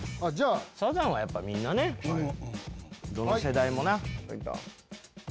サザンはみんなねどの世代もな。